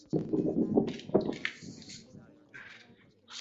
Tokio Olimpiadasida koronavirusga chalinganlar soni yana oshdi